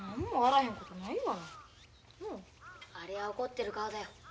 あれは怒ってる顔だよ。